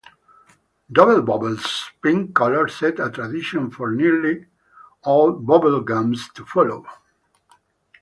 Dubble Bubble's pink color set a tradition for nearly all bubble gums to follow.